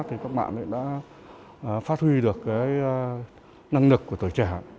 thì các bạn đã phát huy được cái năng lực của tuổi trẻ